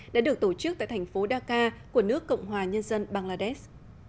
đã được tổ chức tại thành phố dakar của nước cộng hòa nhân dân bangladesh